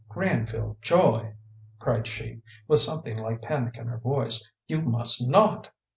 "Granville Joy," cried she, with something like panic in her voice, "you must not!